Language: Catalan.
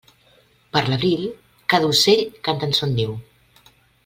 Per l'abril, cada ocell canta en son niu.